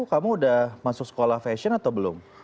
kamu udah masuk sekolah fashion atau belum